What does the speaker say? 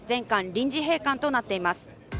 臨時閉館となっています。